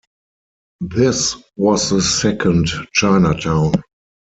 This was the second Chinatown.